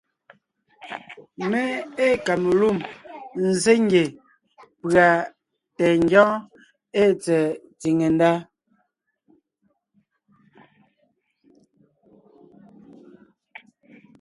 Mé ée kamelûm nzsé ngie pʉ̀a tɛ ngyɔ́ɔn ée tsɛ̀ɛ tsìŋe ndá: